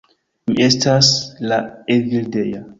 Mi estas la Evildea.